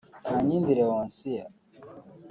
Kankindi Leoncie